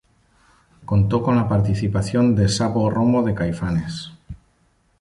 Contó con la participación de Sabo Romo de Caifanes.